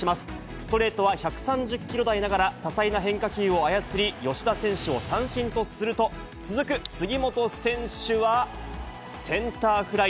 ストレートは１３０キロ台ながら多彩な変化球を操り、吉田選手を三振とすると、続く杉本選手は、センターフライ。